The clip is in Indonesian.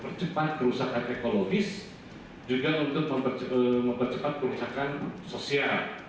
juga untuk mempercepat kerusakan sosial di indonesia